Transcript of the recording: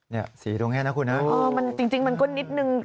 นี่สีตรงแห้นนะคุณเออมันจริงมันก็นิดหนึ่ง